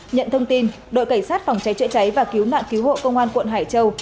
nhận thông tin đội cảnh sát phòng cháy chữa cháy và cứu nạn cứu hộ công an quận hải châu